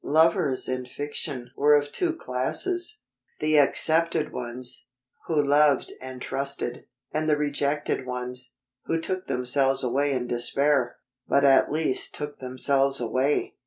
Lovers in fiction were of two classes the accepted ones, who loved and trusted, and the rejected ones, who took themselves away in despair, but at least took themselves away.